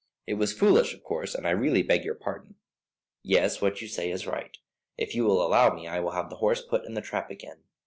It was foolish, of course, and I really beg your pardon. Yes, what you say is quite right. If you will allow me I will have the horse put in the trap again.